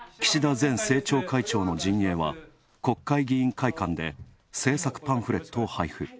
前政調会長の陣営は、国会議員会館で政策パンフレットを配布。